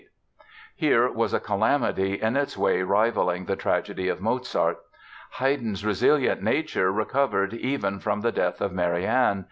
Here was a calamity in its way rivaling the tragedy of Mozart. Haydn's resilient nature recovered even from the death of Marianne.